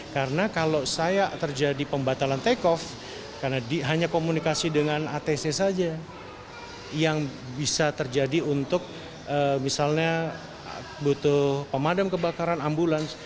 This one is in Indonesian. karena kalau saya terjadi pembatalan take off karena hanya komunikasi dengan atc saja yang bisa terjadi untuk misalnya butuh pemadam kebakaran ambulans